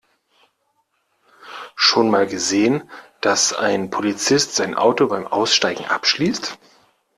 Schon mal gesehen, dass ein Polizist sein Auto beim Aussteigen abschließt?